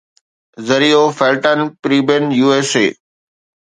ذريعو Falton Prebin USA